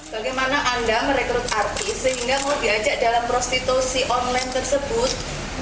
bagaimana anda merekrut artis sehingga mau diajak dalam prostitusi online tersebut